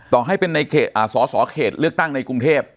ต่อให้เป็นในเขตฟศเขตเรื้อตั้งในคุ้งเทพ